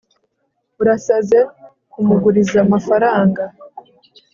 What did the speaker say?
urasaze kumuguriza amafaranga